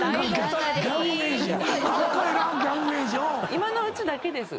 今のうちだけです。